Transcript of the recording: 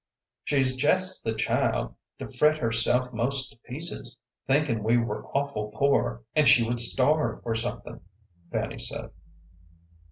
"She's jest the child to fret herself most to pieces thinkin' we were awful poor, and she would starve or somethin'," Fanny said.